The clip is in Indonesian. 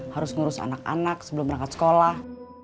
harus ngurus anak anak sebelum berangkat sekolah